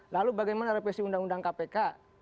lalu bagaimana revisi undang undang kpk